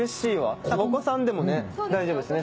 お子さんでもね大丈夫。